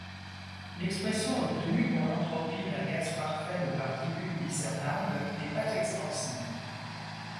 L'expression obtenue pour l'entropie d'un gaz parfait de particules discernables n'est pas extensive.